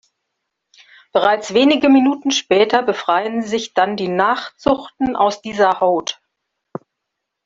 Bereits wenige Minuten später befreien sich dann die Nachzuchten aus dieser Haut.